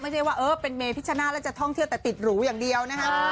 ไม่ใช่ว่าเออเป็นเมพิชชนาธิแล้วจะท่องเที่ยวแต่ติดหรูอย่างเดียวนะฮะ